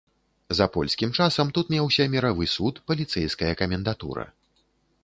За польскім часам тут меўся міравы суд, паліцэйская камендатура.